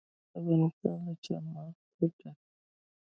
افغانستان له چار مغز ډک دی.